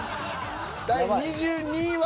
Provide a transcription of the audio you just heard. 第２２位は。